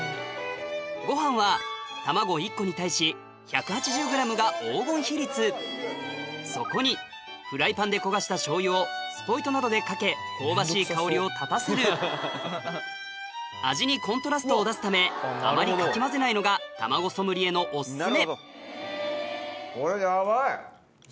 そこでもちろんご飯はそこにフライパンで焦がしたしょうゆをスポイトなどでかけ香ばしい香りを立たせる味にコントラストを出すためあまりかき混ぜないのが卵ソムリエのお薦め